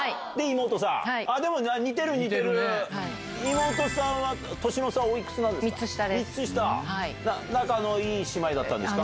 妹さんは年の差おいくつなんですか？